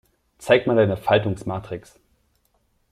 Zeig mal deine Faltungsmatrix.